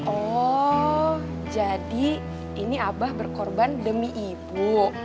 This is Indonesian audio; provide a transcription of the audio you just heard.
oh jadi ini abah berkorban demi ibu